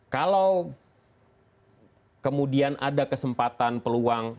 kalau kemudian ada kesempatan peluang